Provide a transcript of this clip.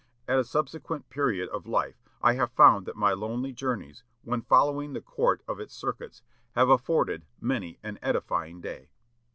At a subsequent period of life, I have found that my lonely journeys, when following the court on its circuits, have afforded many an edifying day."